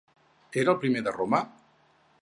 Era el primer de Roma?